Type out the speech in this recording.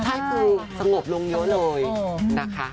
ใช่คือสงบลงเยอะเลยนะคะ